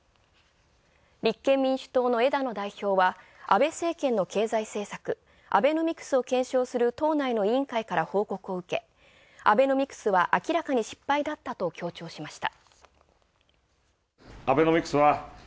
立憲民主党の枝野代表は安倍政権の経済政策アベノミクス、党内の委員会から報告を受け、アベノミクスは明らかに失敗だったと強調しました。